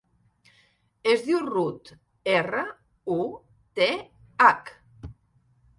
Es diu Ruth: erra, u, te, hac.